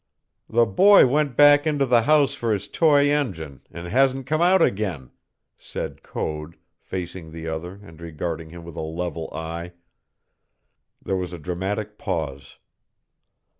"The boy went back into the house for his toy engine and hasn't come out again," said Code, facing the other and regarding him with a level eye. There was a dramatic pause.